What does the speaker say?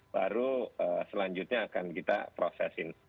baru selanjutnya akan kita prosesin